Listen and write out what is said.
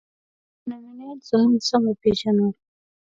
نننی انسان سمه وپېژنو.